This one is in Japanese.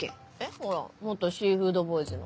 ほら元シーフードボーイズの。